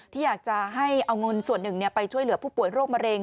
ที่อยากจะให้เอาเงินส่วนหนึ่งไปช่วยเหลือผู้ป่วยโรคมะเร็ง